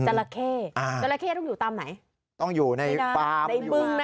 จราเข้อ่าจราเข้ต้องอยู่ตามไหนต้องอยู่ในฟาร์มแม่